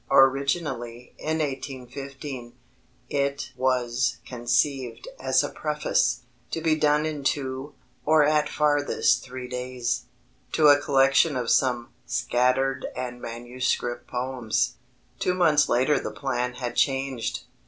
Originally, in 1815, it was conceived as a preface to be "done in two, or at farthest three days" to a collection of some "scattered and manuscript poems." Two months later the plan had changed.